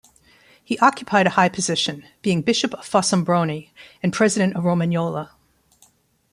He occupied a high position, being bishop of Fossombrone and president of Romagnola.